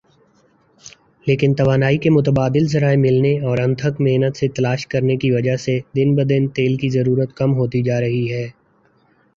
لیکن توانائی کے متبادل ذرائع ملنے اور انتھک محنت سے تلاش کرنے کی وجہ سے دن بدن تیل کی ضرورت کم ہوتی جارہی ھے